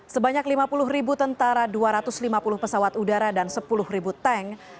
sebanyak lima puluh ribu tentara dua ratus lima puluh pesawat udara dan sepuluh tank